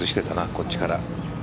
こっちから。